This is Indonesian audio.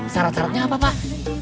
sarat saratnya apa pak